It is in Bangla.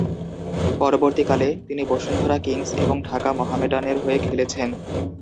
পরবর্তীকালে, তিনি বসুন্ধরা কিংস এবং ঢাকা মোহামেডানের হয়ে খেলেছেন।